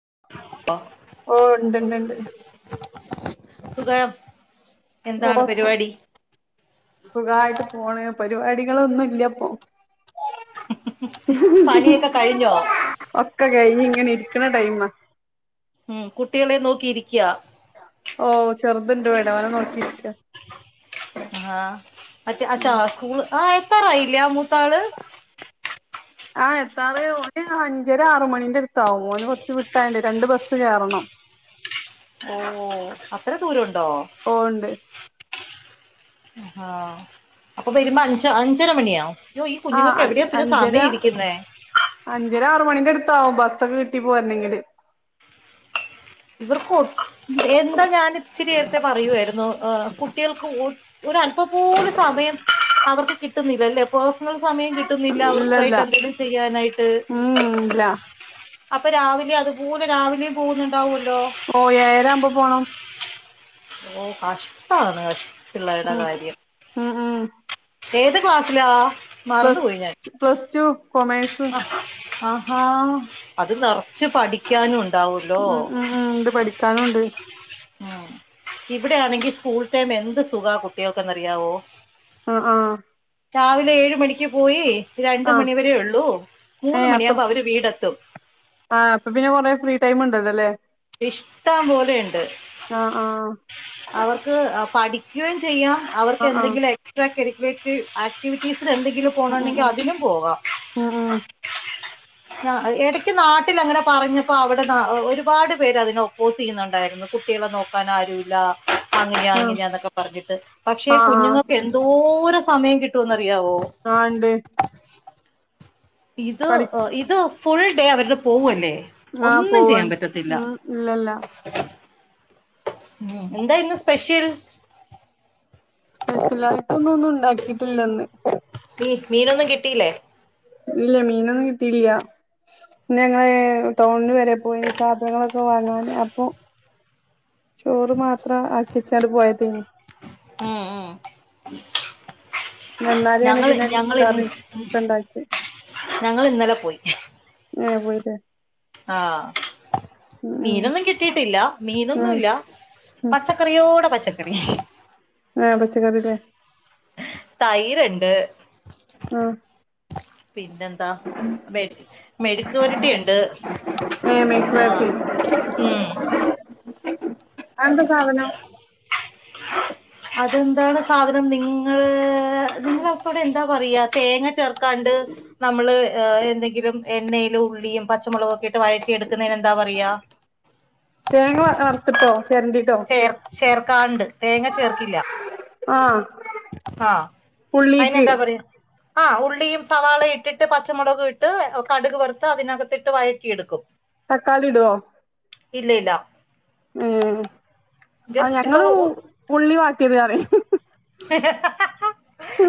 [unintelligible] അപ്പ ഓ ഉണ്ട്ണ്ട്ണ്ട് സുഖം ഓ എന്താണ് സ് പരിപാടി സുഖായിട്ട് പോണ് പരിപാടികളൊന്നും ഇല്ല ഇപ്പൊ പണിയൊക്കെ കഴിഞ്ഞോ ഒക്കെ കഴിഞ്ഞ് ഇങ്ങനെ ഇരിക്കണ ടൈംമാ ഉം കുട്ടികളെ നോക്കിയിരിക്കയാ ഓ ചെറുതണ്ട് ഇവിടെ അവനെ നോക്കിയിരിക്ക ആ അച്ഛ ഉം അച്ഛാആ സ്കൂൾ ആ ഇല്ലയാ മൂത്താള് ആ എത്താറ് ഒന് അഞ്ചര ആറ് മണീന്റെ അടുത്താവും ഓന് ബസ് വിട്ടാണ്ട് രണ്ട് ബസ് കെറണം ഓ അത്ര ദൂരം ഉണ്ടോ ഓ ഉണ്ട് ആ അപ്പൊ വരുമ്പ അഞ്ച അഞ്ചര മണിയവും ആ അൻ അഞ്ചര അഞ്ചര ആറ് മണിന്റെ അടു താവും ബസ്സൊക്കെ കിട്ടിപ്പോരെണെങ്കില് ഇവർക്ക് ഓ എന്താ ഞാൻ ഇച്ചിരി നേരത്തെ പറയായിരുന്നു ആ കുട്ടികൾക്ക് ഓ ഒരു അല്പ്പം പോലും സമയം അവർക്ക് കിട്ടുന്നില്ലല്ലേ ഇപ്പൊ നിങ്ങൾ സമയം കിട്ടുന്നില്ല ഇല്ലല്ല അവർക്കയിട്ട് എന്തെങ്കിലും ചെയ്യാനായിട്ട് ഉം ഇല്ല അപ്പെ രാവിലെ അതുപോലെ രാവിലെയും പോകുന്നുണ്ടാവൂല്ലോ ഓ ഏഴ് ആമ്പോ പോണം ഓ കഷ്ടാണ് പിള്ളേരുടെ കാര്യം ആ. ഏത് ക്ലാസ്സിലാ? മറന്നു പോയി ഞാൻ. പ്ലസ് ടു കൊമേഴ്സ് അ ആഹാ അത് നെർച്ച് പഠിക്കാനു ണ്ടാവുല്ലോ. ഉം ഉം ഉം ഇത് പഠിക്കാനുണ്ട് ആ ഇവിടെ ആണെങ്കി സ്കൂൾ ടൈം എന്ത് സുഖ കുട്ടികൾക്ക് എന്ന് അറിയാവോ? ആ ആ രാവിലെ ഏഴ് മണിക്ക് പോയി രണ്ട് ആ മണിവരെ ഉള്ളൂ ഏ മൂന്ന് മണിയ അത്ര ആമ്പം അവര് വീടെ എത്തും. ആ അപ്പൊ പിന്നെ കൊറെ ഫ്രീ ടൈം ഉണ്ടല്ലോ ആല്ലേ? ഇഷ്ടം പോലെണ്ട്. ആ ആ അവർ [unintelligible] അ പഠിക്കയ് ചെയ്യാ ആ ആ അവർക്കെന്തെങ്കിലു എക്സ്ട്രാ കരിക്കുലേറ്റ് ആക്റ്റിവിറ്റീസ് തെന്തെങ്കിലു ഉം ഉം പോണോണ്ടെങ്കി അതിനും പോവ. ഉം ഉം ഉം [unintelligible] എടക്ക് നാട്ടിലങ്ങന പറഞ്ഞപ്പ അവ്‌ടെ ദ ഒരു പാട് പേരതിനൊപ്പോസെയ്യുന്നുണ്ടായിരുന്നു കുട്ട്യളെ നോക്കാനാരൂല്ലാ. അങ്ങനെയാ ആ ഇങ്ങനെയാന്നൊക്ക പറഞ്ഞിട്ട്. പക്ഷെ, ആ ആ കുഞ്ഞുങ്ങക്കെന്തോര സമയം കിട്ടൂന്ന് ആ. ണ്ട് ഇത് ഇത് ഫുൾ ഡേ [unintelligible] പോവ്വല്ലേ. ആ ഒന്നും പോവാണ് ചെയ്യാമ്പറ്റത്തില്ല. ഉം ഇല്ലല്ല ഉം. എന്തായിന്നു സ്പെഷ്യൽ? സ്പെഷലായിട്ടൊന്നു ഒന്നുണ്ടാക്കിട്ടില്ലന്ന്. ഇ മീനൊന്നും കിട്ടീല്ലേ? ല്ല. മീനൊന്നും കിട്ടീല്ല്യ. ന്ന് ഞങ്ങള് ടൗൺല് വരെ പോയി സാധനങ്ങളൊക്ക വാങ്ങാന് അപ്പൊ ചോറ് മാത്രാ ആക്ക്യച്ചാട് പോയതായ്നി. ഊ ഉം. വന്നാരെയാണ് ഞങ്ങള് പിന്നെ ഞങ്ങളിനി കറി ഒക്കെ ഉണ്ടാക്കി [inaudible] ഞങ്ങളിന്നല പോയി. ഏ പോയില്ലേ ആ. ഉം ഉം മീനൊന്നും കിട്ടിയിട്ടില്ല. മീനൊന്നു ഉം ഇല്ല. ഉം പച്ചക്കറിയോട പച്ച [unintelligible] ആ പച്ചക്കറീടെ. തയിര്ണ്ട്. ആ പിന്നെന്താ? മെഴ് മെഴ്ക്ക്പൊരട്ടിണ്ട്. മെഴ്ക്ക് പെരച്ചി ഊം അഎന്താ സാധനം? അതെന്താണ് സാധനം? നിങ്ങൾ.... നിങ്ങൾക്കൊതെന്താ പറിയാ? തേങ്ങ ചേർക്കാണ്ട് നമ്മള് എ എന്തെങ്കിലും എണ്ണയിലുള്ളിയും പച്ചമുളകൊക്കെ ട്ട് വയറ്റി എടക്ക്ന്നേനെന്താ പറിയാ? തേങ്ങ വറുത്തിട്ടോ ചെരണ്ടിട്ടോ ഏർ ചേർക്കാണ്ട്. തേങ്ങ ചേർക്കില്ല. ആ. ആ. ഉള്ളീക്ക് അയിനെന്താ പറിയാ? ആ ഉള്ളിയും സവാളയ്ട്ടിട്ട് പ ച്ചമുളകു ഇട്ട് കട്ക് വറുത്തതിനകത്തിട്ട് വഴറ്റി എടുക്കും. തക്കാളിട്വോ? ഇല്ലയില്ല. ഊം. അ ഞങ്ങളൂ ഉള്ളി വാ ഹ് ഹ ഹ ഹ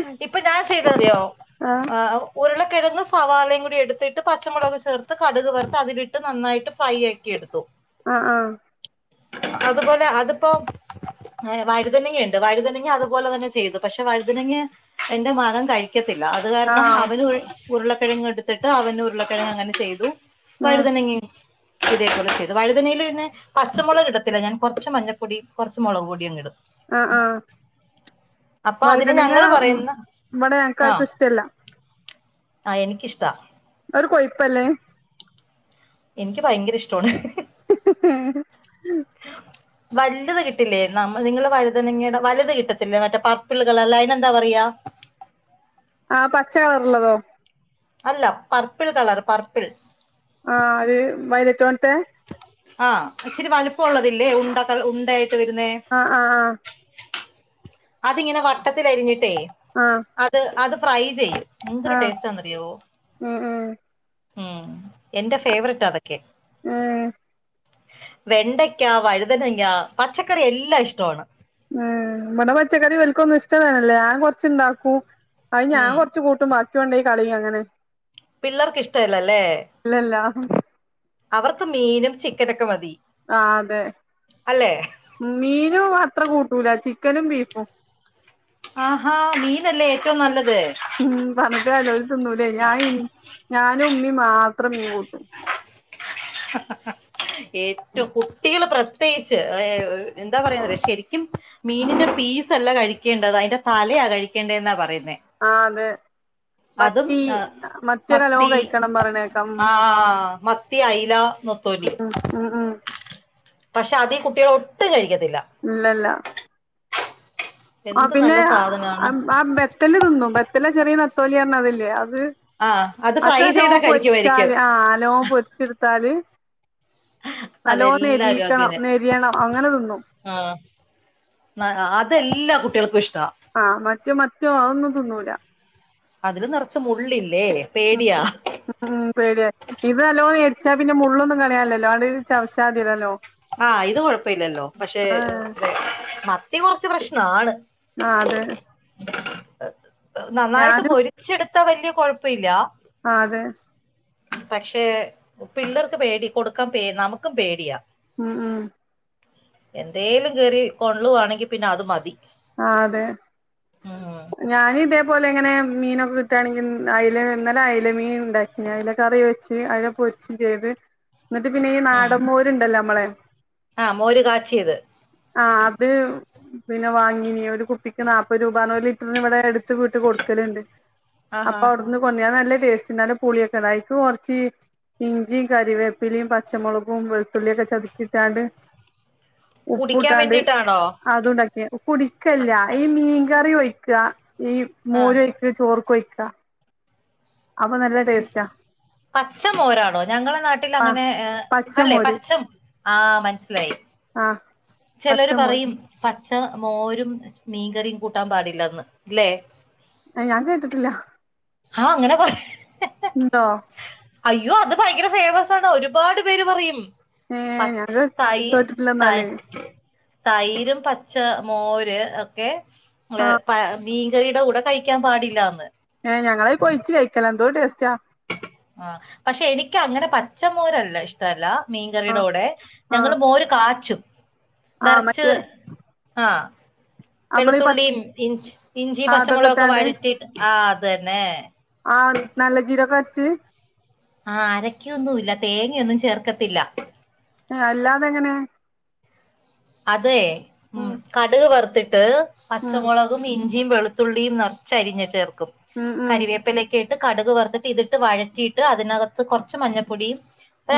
ഹ ഇപ്പം ഞാ ചെയ്തതറിയോ, ആ ഉ ഉരുള കെടന്ന സവാളയ് കൂടി എട്ത്തിട്ട് പച്ചമുളക് സേർത്ത് കട്ക് വർത്ത് അതിലിട്ട് നന്നായിട്ട് ഫ്രൈ ആക്കി എടുത്തു. അ ആ. അതുപോലെ അത്പ്പൊ ഏ വഴുതിനങ്ങയ് [unintelligible] വഴുതനങ്ങ അത് പോലെ തന്നെ ചെയ്തു. പക്ഷെ, വഴുതിനങ്ങ എന്റെ മകങ്കഴി യ്ക്കത്തില്ല. അത് ആ കാരണം അവനുഴ് ഉര്ളക്കെഴങ്ങെട്‌ത്ത്ട്ട് അവനു ര്‌ളക്കെഴങ്ങങ്ങനെ ചെയ്തു. ആ വഴുതനങ്ങെ. [inaudible] ഇതേക്കെ ചെയ്തു വഴുതനയിൽ പിന്നെ പച്ചമുളക് ഇടത്തില്ല ഞാൻ കുറച്ച് മഞ്ഞപ്പൊടി കുറച്ച് മുളക് പൊടി അങ്ങ് ഇടും അ ആ അപ്പൊ അതിന് വഴുതനങ്ങ ഞങ്ങള് ഉം പറയുന്ന വെടെ ഞങ് ആ കാർക്കുഷ്ടല്ല. ആ എനിക്കിഷ്ടാ. അത് കൊഴുപ്പല്ലേ? എനിക്ക് ഭയങ്കര ഇഷ്ടവാണ്. [inaudible] [unintelligible] വലുത് കിട്ടില്ലേ നിങ്ങൾ വഴുങ്ങയുടെ വലുത് കിട്ടത്തില്ലേ മറ്റേ പർപ്പിൾ കളറിലെ അതിനെന്താ പറയാ [unintelligible] ആ പച്ച കളർള്ളതോ? അല്ല പർപ്പിൾ കളർ പർപ്പിൾ. ചോത്തെ [inaudible] ആ ഇച്ചിര് വലുപ്പം ഉള്ളതില്ലേ ഉണ്ട ഉണ്ടായിട്ട്. വരുന്നേ ആ ആ ആ. അതിങ്ങനെ വട്ടത്തിലരിഞ്ഞിട്ടേ ആ അത് അത് ഫ്രൈ ചെയ്യും. എന്തൊരു ആ ടേസ്റ്റാന്ന്റിയോ ഉം ഉം ഉം എന്റെ ഫേവററ്റ് അതൊക്കെ. ആ. വെണ്ടയ്ക്ക വഴുതനങ്ങ പച്ചക്കറി എല്ലാം ഇഷ്ടമാണ്. ഉം ഇമ്മടെ പച്ചക്കറി ഇവലക്കും ഒന്നും ഇഷ്ടവല്ലാ ഞാൻ കൊറച്ചുണ്ടാക്കൂ. അ ഞാൻ ഉം കൊറച്ചു കൂട്ടും ബാക്കി കൊണ്ടെ കളയ അങ്ങനെ. പിള്ളേർക്ക് ഇഷ്ടല്ലല്ലേ ഇല്ലല്ല അവർക്ക് മീനും ചിക്കനൊക്കെ മതി. ആ അതെ അല്ലെ മീനും അത്ര കൂട്ട. ക്കൂല ചിക്കനും ബീഫും. ആഹാ മീനല്ലേ ഏറ്റവും നല്ലത്. ഉം പറഞ്ഞിട്ട് കര്യാല്ല ഓല് തിന്നൂലേ ഞാൻ ഞാനോം ഉമ്മേ മാ- [inaudible] ത്രം മീൻ കൂട്ടും [unintelligible] [unintelligible] [inaudible] ഏറ്റവും കുട്ടികൾ പ്രത്യേകിച്ച് എന്താ പറയാ ശരിക്കും മീനിന്റെ [inaudible] പീസല്ല കഴിക്കേണ്ടത് അതിന്റെ തലയാ കഴിക്കേണ്ടതെന്നാ പറയുന്നത്. ആ അതെ. അതും മത്തി മത്തിയൊക്കെ നല്ലോം മത്തി കഴിക്കണം പറയണേക്കാം ഉം ആ മത്തി അയല. നത്തോലി ഉം ഉം ഉം പക്ഷെ അത് ഈ കുട്ടികൾ ഒട്ടും കഴിക്ക ഇല്ലല്ല. ആ എന്ത് പിന്നെ നല്ല സാധനാണ് ആ ബെത്തല് തിന്നും ബെത്തല് ചെറിയ നത്തോലി ആന്ന് അതല്ലേ അത്. ആ അ അത് ഫ്രൈ നല്ലോ ചെയ്താ കഴിക്കുമായിരിക്കും പൊരിച്ചാല് ആ നല്ലോ പൊരിച്ചെടുത്താല്. നല്ലോ അതെല്ലാരും നെരിക്കണം അങ്ങനെ നെരിയണം അങ്ങനെ തിന്നും. ആ അതെല്ലാ കു- [inaudible] [unintelligible] ആ മറ്റോ മത്തി അതൊന്നും തിന്നൂല. അതില് നിറച്ച മുള്ളിൽ. ഉം ഉം ഉം പേടിയ ഇത് നല്ലോ എടു [unintelligible] ചച്ചാ പിന്നെ മുള്ളൊന്നും കളിയാലല്ലോ അത് ചവച്ചാതില്ലല്? ആ ഇത് കൊഴപ്പമില്ലല്ലോ പക്ഷെ മത്തി കുറച്ച് പ്രശ്നം ആണ്. ആ അതെ. നന്നായിട്ട് ഞാനും മൊരിച്ചെടുത്താ വലിയ കൊഴപ്പം ഇല്ലാ. ആ അതെ. പക്ഷെ പിള്ളേർക്ക് പേടി കൊടുക്കാൻ പേ നമുക്കു പേടിയാ. ഉം ഉം. എന്തേലും കേറി കൊള്ളുവാണെങ്കിൽ പിന്നെ അത് മതി ആ അതെ സ് ഉം ഞാൻ ഇതേപോലെ ഇങ്ങനെ. മീനൊക്കെ കിട്ടുകയാണെങ്കിൽ ൻ അയ്ല ഇന്നലെ അയ്ല മീൻ ഉണ്ടാക്കിന്ന് അയ്ല കറി വെച്ച് അയ്ല പൊരിച്ചും ചെയ്ത്. എന്നിട്ട് പിന്നെ ഈ ഉം നാടന് മോര് ഉണ്ടല്ലോ നമ്മളെ. ആ മോര് കാച്ചിയത് ആഹ അത്. പിന്നെ വാങ്ങിനീ ഒരു കുപ്പിക്ക് നാല്പ്പത് രൂപ ഒരു ലിറ്ററിന് ഇവിടെ എടു- [unintelligible] ത്ത വീട്ടിൽ കൊടുക്കലുണ്ട് ആഹാ അപ്പൊ അവിടുന്ന് കൊണ്ടാര നല്ല. ടേസ്റ്റ്ണ്ട് പുളിയൊക്കെണ്ട് അയ്ക്ക് കുറച്ച്. ഇഞ്ചിംകരിവേപ്പിലിം പച്ചമുളകും വെളുത്തുള്ളിയും ഒക്കെ ചതുക്കിയിട്ടാണ്ട്. കുടിക്കാൻ ഉപ്പുഇട്ടാണ്ട് വേണ്ടിട്ടാണോ അതുംണ്ടാക്കിക്കും കുടിക്കല്ല ഈ മീൻകറി ഒഴിക്ക ഈ ആ മോര് ഒഴിക്ക്ണ ചോർക്ക് ഒഴിക്കുക. ക. പച്ച മോരാണോ ഞങ്ങളെ നാട്ടിൽ ആ അങ്ങനെ അല്ലെ പച്ചമോര് പച്ചം. ആഹ് മനസിലായി ആഹ് ചിലര് പച്ചമോര് പറയും പ പച്ചാ മോരും മീൻകറിയും കൂട്ടാൻ പാടില്ലന്ന് ഇല്ലേ? അ ഞാൻ കേട്ടിട്ടില്ല. ആഹ അങ്ങനെ പറ ഉണ്ടോ. അയ്യോ അത് ഭയങ്കര ഫേയ്മസ് ആണ് ഒരുപാട് പേര് പറയും. ഏഹ് ഞാൻ പച്ചാ തൈ കേട്ടിട്ടില്ല തൈ. എന്നാല് തൈരും പച്ച മോര് ഒക്കെ പേ ആഹ് പേ മീൻകറിയുടെ കൂടെ കഴിക്കാൻ പാടില്ലന്ന്. ഏ ഞങ്ങള് അത് കൊ യിച്ച് കഴിക്കല എന്തോര് ടേസ്റ്റാ. ആ പക്ഷെ എനിക്ക് അങ്ങനെ പച്ചമോരല്ല ഇഷ്ടല്ല. മീൻകറിയുടെ ആഹ് കൂടെ ആഹ് ഞങ്ങള് മോര് കാച്ചും. ആഹ് നിറച്ച് മറ്റേ ആഹ. നമ്മളീ പ വെളുത്തുള്ളിയും ഇഞ്ച് ഇഞ്ചി ആ അതൊക്കെ പച്ചമുളക് ഒക്കെ ഇട്ടാണ്ട് വഴറ്റിട്ട് ആ അതന്നെ. ആഹ നല്ല ജീരകം അരച്ച്. ആഹ അരക്കൊന്നുല്ല തേങ്ങയൊന്നും ചേർക്കത്തില്ല. അല്ലാതെങ്ങനെ? അത് ഉം കടുക് വറുത്തിട്ട് ഉം പച്ചമുളകും ഇ ഞ്ചിയുംവെളുത്തുള്ളിയും നിറച്ച് അരിഞ്ഞ്ചേർക്കും ഉം ഉം കരിവേപ്പിലക്ക ഇ ട്ട്കടുക് വെറുത്തിട്ട് ഇതിട്ട് വഴറ്റിയിട്ട് അതിനകത്ത് കുറച്ച് മഞ്ഞപ്പൊടി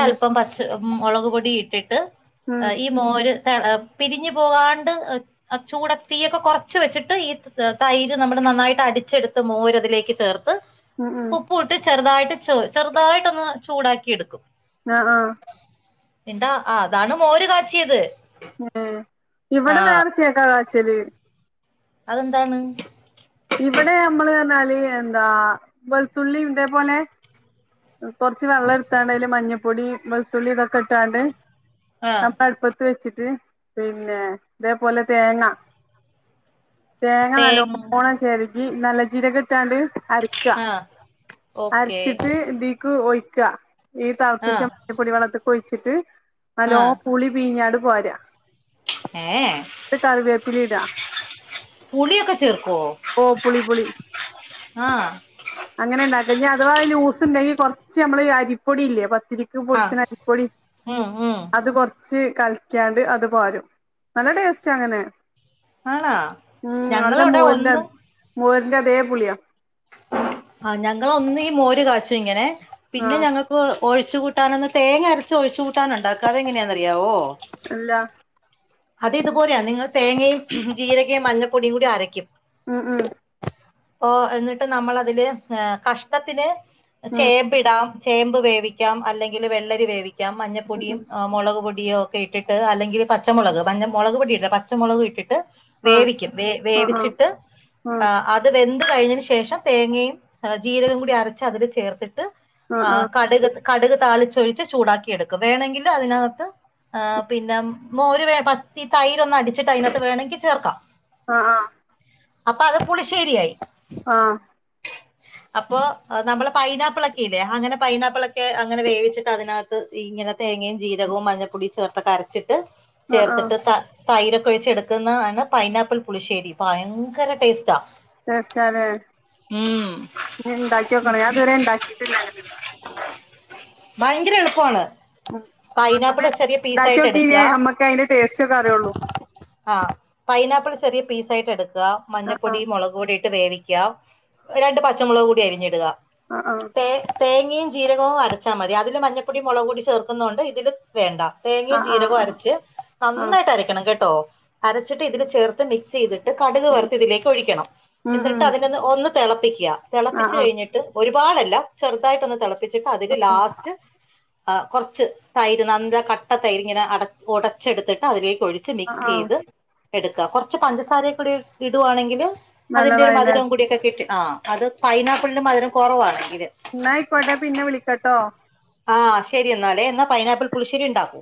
ഉം പച്ച ഉം മുളക് പൊടി ഇട്ടിട്ട് ഉം ഈ മോര്. ഏ പിരിഞ്ഞു പോകാണ്ട് ആ ചൂട് തീഒക്കെ കുറച്ച് വെച്ചിട്ട് ഈ തൈര് നമ്മൾ. നന്നായിട്ട് അടിച്ചെടുത്ത് മോരതിലേക്ക് ചേർത്ത്. ഉം ഉം പ്പ് ഉപ്പ് ഇട്ട് ചെറുതായിട്ട് ചെറുതായിട്ടൊന്ന് ചൂടാക്കി എടുക്കും. ആഹ ആഹ. എണ്ടാ ആ അതാണ് മോര് കാച്ചിയത്. ഏ ആ ഇവിടെ വേറെ ചേക്കാ കാച്ചല്. അതെന്താണ്? ഇവിടെ നമ്മള് എന്നാൽ എന്താ വെളുത്തുള്ളി ഇതേപോലെ. കൊറച്ച് വെള്ളം എടുത്താണ്ട് അതില് മഞ്ഞപ്പൊടി വെളുത്തുള്ളി ഇതൊക്കെ ഇട്ടാകാണ്ട്. ആഹ് അപ അടുപ്പത്ത് വെച്ചി ട്ട് പിന്നെ ഇതേപോലെ തേങ്ങ. തേങ്ങ തേങ്ങോ. നല്ലോണം ചെരകി നല്ല ജീരകം ഇട്ടാ ണ്ട്. അരക്ക ആഹ് ഓക്കെ അരച്ചിട്ട്ഇതീക്ക് ഒയ്ക്ക. ഈ തിളപ്പിച്ച ആഹ് മഞ്ഞപ്പൊടി വെളത്തിക്ക് ഒഴിച്ചിട്ട് നല്ലോ ആഹ് പു ളി പീഞ്ഞ്ട്ട് പാരാ. ഏഹ് ട്ട് കരുവെപില ഇടാ. പുളിയൊക്കെ ചേർക്കോ ഓ പുളി പുളി ആഹ് അങ്ങനെയാ ഉണ്ടാക്ക ഇനി അഥവാ അതി ലൂസ് ഉണ്ടെങ്കിൽ കൊറച്ച് റച്ച് നമ്മള് അരിപ്പൊടി ഇല്ലേ പത്തിരിക്ക് ആഹ് പൊടിച്ചന് അരിപ്പൊടി ഉം ഉം അത് കൊറച്ച് കൽകിയെണ്ട് അത് പോരും നല്ല ടേസ്റ്റ് അങ്ങനെ ആണാ ഉം നല്ല ഞങ്ങളവിടെ മോരിന്റെ മോരിന്റെ അതേ പുളിയാ ആ ഞങ്ങള് ഒന്നെങ്കി മോര് കാച്ചും ഇങ്ങനെ പിന്നെ ആഹ് ഞങ്ങൾക്ക് ഒഴി ഒഴിച്ച് കൂട്ടന്നൊന്നു തേങ്ങരച്ച് ഒഴിച്ചു കൂട്ടാൻ ഉണ്ടാക്കും അതെങ്ങനെയാന്ന് അറിയാവോ അല്ല അത് ഇതുപോലെയാ നിങ്ങൾ തേങ്ങയും ജീരകയും മഞ്ഞൾപ്പൊടിയും കൂടി അരയ്ക്കും ഉം ഉം ഓ എന്നിട്ട് നമ്മള് അതില് എ കഷ്ണത്തിന് ചേമ്പിടാം ചേമ്പ് വേവിക്കാം അല്ലെങ്കില് വെള്ളരി വേവിക്കാം ഉം മഞ്ഞൾപൊടിയും ഉം മുളക് പൊടി പൊടിയോ ഒക്കെ ഇട്ടിട്ട് അല്ലെങ്കില് പച്ചമുളക് മഞ്ഞ മുളക് പൊടിടണ്ട പച്ചുളകും ഇട്ടിട്ട് ആഹ് വേവിക്കും വേ ആഹ് വേവിച്ചിട്ട് ആഹ് അത് വെന്ത് കഴിഞ്ഞതിന് ശേ ശേഷം തേങ്ങയും ജീരകവും കൂടി അരച്ച് അതിൽ ചേർത്തിട്ട് ആഹ് ആ ആഹ് കടുക് കടുക് താളിച്ചൊഴിച്ച് ചൂടാക്കി എടുക്കും വേണമെങ്കില് അതിനകത്ത് ആ പിന്നെ മോര് വേ പത്തി തൈരൊന്ന് അടിച്ചിട്ട് അതിനകത്ത് വേണമെങ്കിൽ ചേർക്കാം ആ ആ അപ്പോ അത് പുളിശേരിയായി ആ അപ്പോ നമ്മള് പൈനപ്പിളെക്കെ ഇല്ലേ അങ്ങനെ പൈനാപ്പിളെക്കെ അങ്ങനെ വേവിച്ചിട്ട് അതിനകത്ത് ഇങ്ങനെ തേങ്ങയും ജീരകവും മഞ്ഞൾപ്പൊടിയും ചേർത്ത് അ രച്ചിട്ട് ആഹ് ആഹ് ചേർത്തിട്ട് താ തൈരൊക്കെ ഒഴിച്ച് എടുക്കുന്നതാ ണ് പൈനാപ്പിൾ പുളിശ്ശേരി ഭയങ്കര ടേസ്റ്റാ ടെസ്റ്റ് ആല്ലേ ഉം ഇനി ഇണ്ടാക്കി നോ ക്കണം ഞാനിതുവരെ ഉണ്ടാക്കിട്ടില്ല അങ്ങനെ ഭയങ്കര എളുപ്പമാണ് ഉം ഓരോന്ന് പൈനാപ്പിള് ചെറിയ പീസായിട്ട് ഇണ്ടാക്കിയോക്കീനേ എടുക്കുക നമ്മക്ക് അയിന്റെ ടേസ്റ്റ് ഒക്കെ അറിയുള്ളൂ ആ പൈനാപ്പിള് ചെറിയ പീസ് ആയിട്ട് എടുക്കുക ആഹ് മഞ്ഞൾപ്പൊടി മുളക് പൊടി ഇട്ട് വേവിക്ക യ്ക്ക രണ്ട് പച്ചമുളക് കൂടി അരിഞ്ഞിടുക ആഹ് തേങ്ങയും ജീരകവും അരച്ചാ മതി അതില് മഞ്ഞപ്പൊടിയും മുളകപൊടിയും ചേർക്കുന്നതു കൊണ്ട് ഇതില് വേണ്ട തേങ്ങയും ആഹ് ആഹ് ജീരകവും ആഹ് ആഹ് അരച്ച് ആഹ് ആഹ് നന്നായിട്ട് അരക്കണം കേട്ടോ അരച്ചിട്ട് ഇതിന് ചേർ ത്ത് മിക്സ് ചെയ്തിട്ട് കടുക് വറത്ത് ഇതിലേക്ക് ഒഴിക്കണം ഉം എന്നിട്ട് ഉം അതിനൊന്ന് ഒന്ന് തിളപ്പിക്കുക ആഹ് തിളപ്പിച്ച് ആഹ് കഴിഞ്ഞിട്ട് ഒരുപാട്അല്ല ചെറുതായിട്ട് ഒന്ന് തിളപ്പി ട്ട് അതില് ലാസ്റ്റ് ആ കൊറച്ച് തൈര് നല്ല കട്ട തൈര് ഇങ്ങനെ അട ഉടച്ചെടുത്തിട്ട് അതിലേക്ക് ഒഴിച്ച് ആഹ് മിക്സ് ആഹ് ചെയ്ത് എടുക്കുക കൊറച്ച് പഞ്ചസാരയുംകൂടെ ഇടുവാണെങ്കില് നല്ല ഇതിന്റെ ഒരു മധുരം കൂടി ഒക്കെ കിട്ടും ആ അത് പൈനാപ്പിളില് മധുരം കൊറവാണെങ്കി എന്നായിക്കോട്ടെ പിന്നെ വിളിക്കാ ട്ടോ ആ ശരി എന്നാലേ എന്നാ പൈനാപ്പിൾ പുളിശ്ശരി ഉണ്ടാക്കൂ